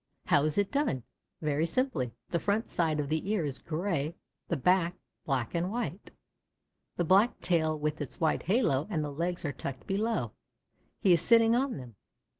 How is it done? Very simply. The front side of the ear is gray, the back, black and white. The black tail with its white halo, and the legs, are tucked below. He is sitting on them.